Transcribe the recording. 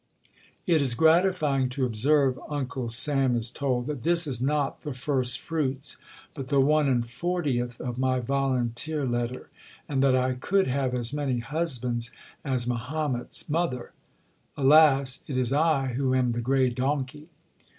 "It is gratifying to observe," Uncle Sam is told, "that this is not the first fruits, but the one and fortieth of my Volunteer letter; and that I could have as many husbands as Mahomet's mother. Alas! it is I who am the grey donkey."